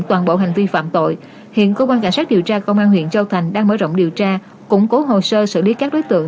toàn bộ hành vi phạm tội hiện cơ quan cảnh sát điều tra công an huyện châu thành đang mở rộng điều tra củng cố hồ sơ xử lý các đối tượng